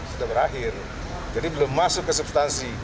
sudah berakhir jadi belum masuk ke substansi